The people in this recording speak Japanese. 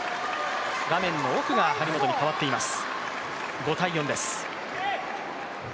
画面の奥が張本に変わっています。